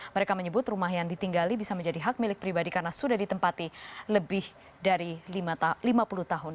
mereka menyebut rumah yang ditinggali bisa menjadi hak milik pribadi karena sudah ditempati lebih dari lima puluh tahun